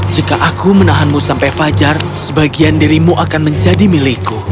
jika aku menahanmu sampai fajar sebagian dirimu akan menjadi milikku